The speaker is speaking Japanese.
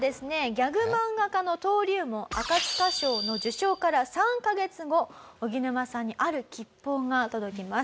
ギャグ漫画家の登竜門赤塚賞の受賞から３カ月後おぎぬまさんにある吉報が届きます。